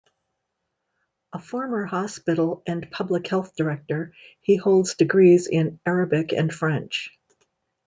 A former hospital and public health director, he holds degrees in Arabic and French.